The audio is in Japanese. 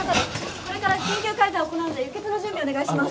これから緊急カイザーを行うので輸血の準備お願いします。